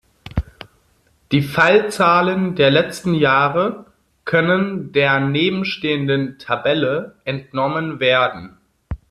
Die Fallzahlen der letzten Jahre können der nebenstehenden Tabelle entnommen werden.